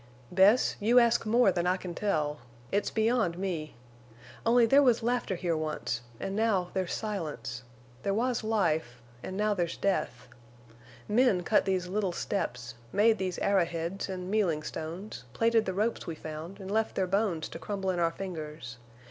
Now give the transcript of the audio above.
"Bess, you ask more than I can tell. It's beyond me. Only there was laughter here once—and now there's silence. There was life—and now there's death. Men cut these little steps, made these arrow heads and mealing stones, plaited the ropes we found, and left their bones to crumble in our fingers.